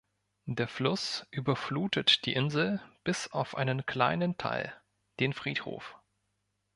Der Fluss überflutet die Insel bis auf einen kleinen Teil, den Friedhof.